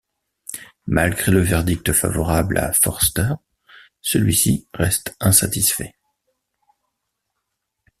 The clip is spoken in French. Malgré le verdict favorable à Förster, celui-ci reste insatisfait.